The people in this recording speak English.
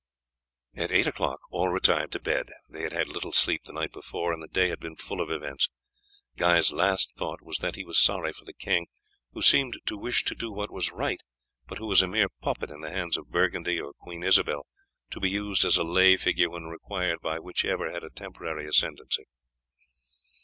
At eight o'clock all retired to bed. They had had little sleep the night before, and the day had been full of events. Guy's last thought was that he was sorry for the king, who seemed to wish to do what was right, but who was a mere puppet in the hands of Burgundy or Queen Isobel, to be used as a lay figure when required by whichever had a temporary ascendency.